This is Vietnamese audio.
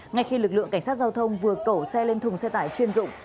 ngay khi lực lượng cảnh sát giao thông vừa cẩu xe lên thùng xe tải chuyên dụng